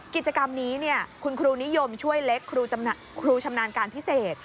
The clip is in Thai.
กิจกรรมนี้คุณครูนิยมช่วยเล็กครูชำนาญการพิเศษ